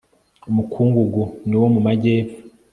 umukungugu ni wo mu majyepfo